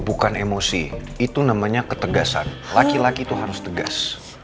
bukan emosi itu namanya ketegasan laki laki itu harus tegas